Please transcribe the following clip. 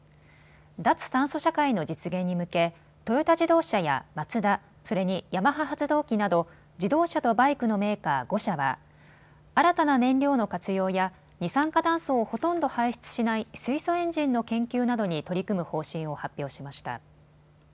脱炭素社会の実現に向けトヨタ自動車やマツダ、それにヤマハ発動機など自動車とバイクのメーカー５社は新たな燃料の活用や二酸化炭素をほとんど排出しない水素エンジンの研究などに取り組む方針を発表しました。